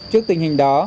trước tình hình đó